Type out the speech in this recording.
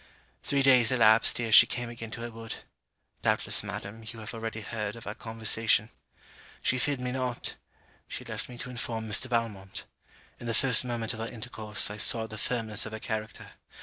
Three days elapsed ere she came again to her wood. Doubtless, Madam, you have already heard of our conversation. 'She feared me not' She left me to inform Mr. Valmont. In the first moment of our intercourse, I saw the firmness of her character.